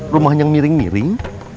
rumahnya yang miring miring